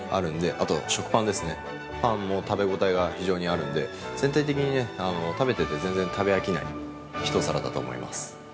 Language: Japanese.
あと食パンですね、パンも食べ応えが非常にあるんで全体的に食べてて全然飽きない一皿だと思います。